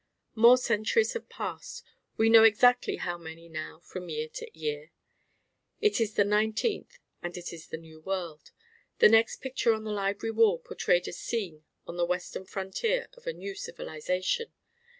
More centuries have passed we know exactly how many now from year to year. It is the nineteenth, and it is the New World; the next picture on the library wall portrayed a scene on the Western frontier of a new civilization.